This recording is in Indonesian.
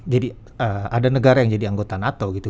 jadi ada negara yang jadi anggota nato gitu